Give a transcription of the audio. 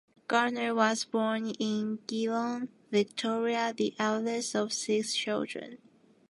Garner was born in Geelong, Victoria, the eldest of six children.